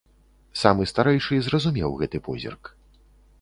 Самы старэйшы зразумеў гэты позірк.